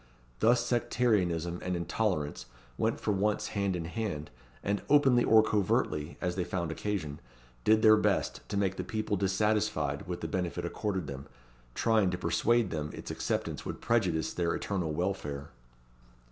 Thus sectarianism and intolerance went for once hand in hand, and openly or covertly, as they found occasion, did their best to make the people dissatisfied with the benefit accorded them, trying to persuade them its acceptance would prejudice their eternal welfare.